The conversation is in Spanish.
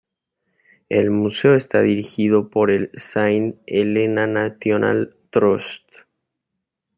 El museo es dirigido por el Saint Helena National Trust.